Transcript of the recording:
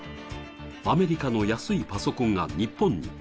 アメリカの安いパソコンが日本に。